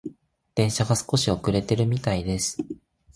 電車が少し遅れているみたいです。